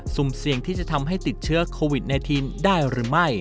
สุ่มเสี่ยงที่จะทำให้ติดเชื้อโควิด๑๙ได้หรือไม่